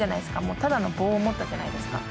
もうただの棒を持ったじゃないですか。